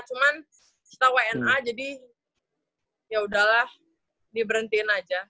cuman kita wna jadi ya udahlah diberhentiin aja